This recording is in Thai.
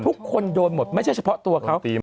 ทุกคนโดนหมดไม่ใช่เฉพาะตัวเขา